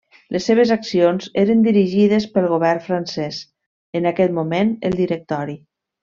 Les seves accions eren dirigides pel Govern francès, en aquest moment el Directori.